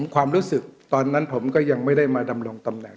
ความรู้สึกตอนนั้นผมก็ยังไม่ได้มาดำรงตำแหน